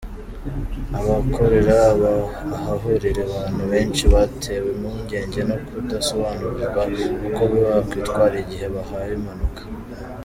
Abakorera ahahurira abantu benshi batewe impungenge no kudasobanurirwa uko bakwitwara igihe habaye impanuka